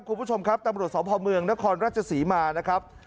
คุณผู้ชมครับตำรวจสพเมืองนครราชศรีมานะครับ